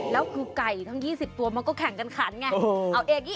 แล้วคือไก่ทั้ง๒๐ตัวมันก็แข่งกันขันไง